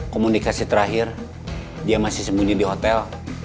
komunikasi terakhir dia masih sembunyi di hotel